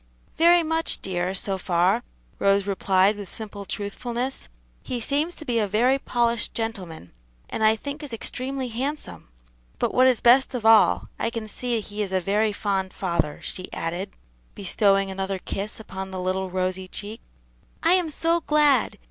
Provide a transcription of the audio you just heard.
"Very much, dear, so far," Rose replied with simple truthfulness; "he seems to be a very polished gentleman, and I think is extremely handsome; but what is best of all, I can see he is a very fond father," she added, bestowing another kiss upon the little rosy cheek. "I am so glad!"